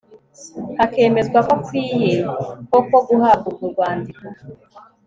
hakemezwa ko akwiye koko guhabwa urwo rwandiko